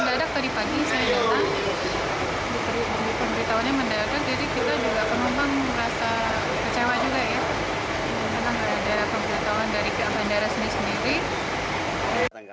mendadak tadi pagi saya datang pemberitahunya mendadak jadi kita juga penumpang merasa kecewa juga ya